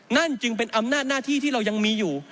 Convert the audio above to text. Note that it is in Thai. นั่นจึงเป็นอำนาจหน้าที่ที่เรายังมีอยู่